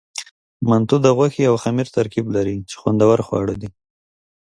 منتو د غوښې او خمیر ترکیب لري، چې خوندور خواړه دي.